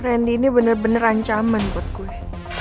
randy ini bener bener ancaman buat gue